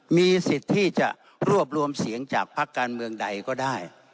มีสิทธิ์ที่จะรวบรวมเสียงจากพักการเมืองใดก็ได้